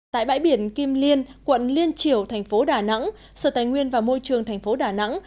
tại bãi biển kim liên quận liên triều thành phố đà nẵng sở tài nguyên và môi trường thành phố đà nẵng